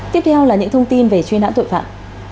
tiếp theo là những thông tin về chuyên hãn tội phạm